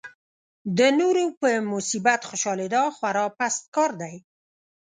د نورو په مصیبت خوشالېدا خورا پست کار دی.